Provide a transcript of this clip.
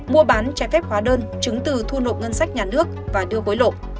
mua bán trái phép hóa đơn chứng từ thu nộp ngân sách nhà nước và đưa hối lộ